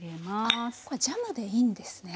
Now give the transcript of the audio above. これジャムでいいんですね。